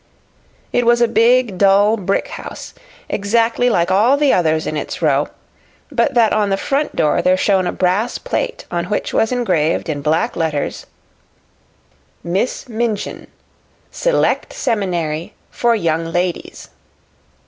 It was a big, dull, brick house, exactly like all the others in its row, but that on the front door there shone a brass plate on which was engraved in black letters: MISS MINCHIN, Select Seminary for Young Ladies.